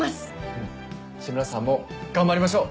うん紫村さんも頑張りましょう。